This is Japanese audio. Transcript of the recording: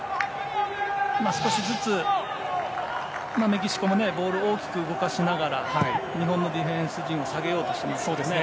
少しずつ、メキシコもボールを大きく動かしながら日本のディフェンス陣を下げようとしていますね。